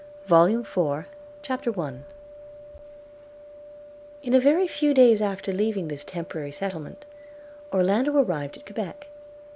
VOLUME IV CHAPTER I IN a very few days after leaving this temporary settlement, Orlando arrived at Quebec.